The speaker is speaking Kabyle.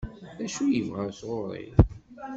D acu i yebɣa sɣur-i?